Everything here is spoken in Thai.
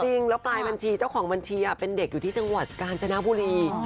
จริงแล้วปลายบัญชีเจ้าของบัญชีเป็นเด็กอยู่ที่จังหวัดกาญจนบุรี